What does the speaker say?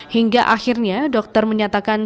hingga akhirnya dokter menyatakan